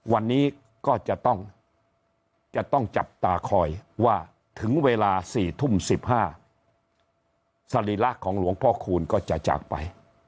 วันนี้ก็จะต้องจับตาคอยว่าถึงเวลา๔ทุ่ม๑๕สรีระของหลวงพ่อคูณก็จะจากไป